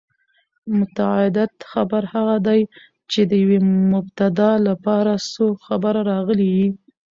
متعدد خبر هغه دئ، چي د یوې مبتداء له پاره څو خبره راغلي يي.